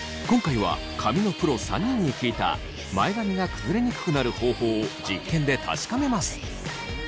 今回は髪のプロ３人に聞いた前髪が崩れにくくなる方法を実験で確かめます。